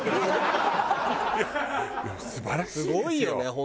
すごいよね